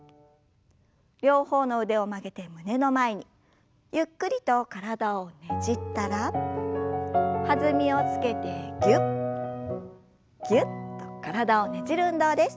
両方の腕を曲げて胸の前にゆっくりと体をねじったら弾みをつけてぎゅっぎゅっと体をねじる運動です。